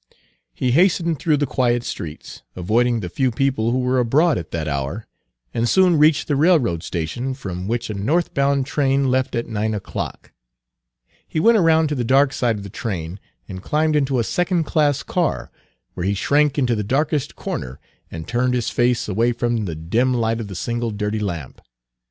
He hastened through the quiet streets, Page 226 avoiding the few people who were abroad at that hour, and soon reached the railroad station, from which a North bound train left at nine o'clock. He went around to the dark side of the train, and climbed into a second class car, where he shrank into the darkest corner and turned his face away from the dim light of the single dirty lamp.